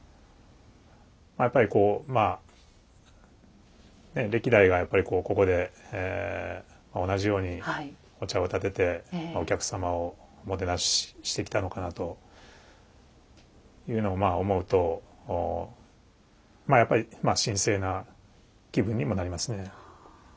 やっぱりこう歴代がやっぱりここで同じようにお茶をたててお客様をおもてなししてきたのかなというのをまあ思うとまあやっぱり神聖な気分にもなりますね。